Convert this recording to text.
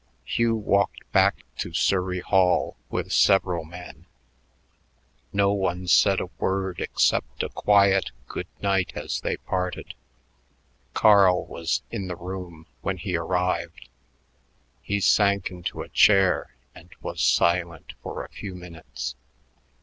Hugh walked back to Surrey Hall with several men. No one said a word except a quiet good night as they parted. Carl was in the room when he arrived. He sank into a chair and was silent for a few minutes.